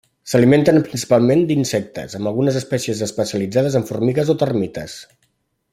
S'alimenten principalment d'insectes, amb algunes espècies especialitzades en formigues o termites.